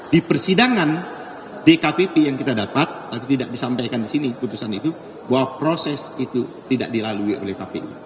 di persidangan dkpp yang kita dapat tapi tidak disampaikan di sini putusan itu bahwa proses itu tidak dilalui oleh kpu